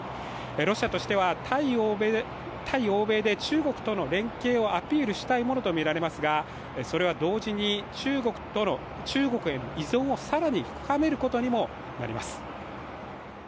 ロシアとしては、対欧米で中国との連携をアピールしたいものとみられますがそれは同時に、中国への依存を更に深めることにもなります。